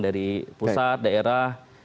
dari pusat daerah